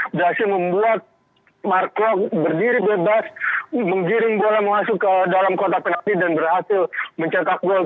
berhasil membuat mark klok berdiri bebas menggiring bola masuk ke dalam kotak penalti dan berhasil mencetak gol